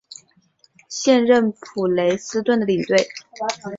现任普雷斯顿的领队。